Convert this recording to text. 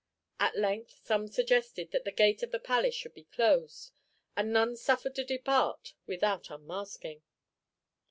At length some suggested that the gate of the palace should be closed, and none suffered to depart without unmasking.